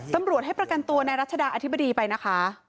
ตำรวจให้ประกันตัวในรัชดาอธิบดีไปนะคะ